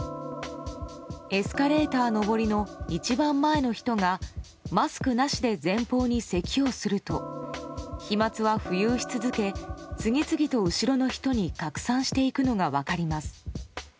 エスカレーター上りの一番前の人がマスクなしで前方にせきをすると飛沫は浮遊し続け次々と後ろの人に拡散していくのが分かります。